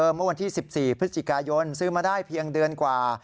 เมื่อวันที่๑๔พฤศจิกายนซื้อมาได้เพียงเดือนกว่า